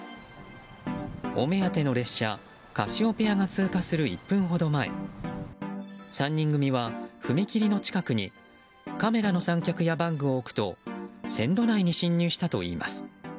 お目当ての列車「カシオペア」が通過する１分ほど前３人組は踏切の近くにカメラの三脚やバッグを置くと線路内に侵入したといいます。